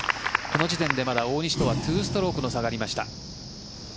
この時点で大西とは２ストロークの差がありました。